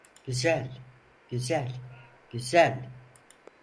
Güzel, güzel, güzel.